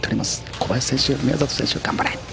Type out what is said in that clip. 小林選手、宮里選手、頑張れ。